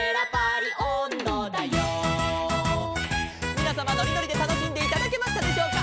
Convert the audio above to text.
「みなさまのりのりでたのしんでいただけましたでしょうか」